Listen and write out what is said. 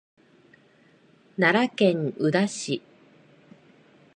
奈良県宇陀市